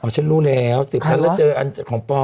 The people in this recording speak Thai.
อ๋อฉันรู้แล้ว๑๐๐๐๐ละเจอของปอม